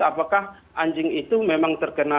apakah anjing itu memang terkena